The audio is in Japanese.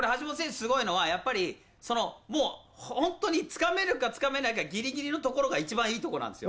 すごいのは、やっぱり、もう本当につかめるか、つかめないか、ぎりぎりのところが一番いいところなんですよ。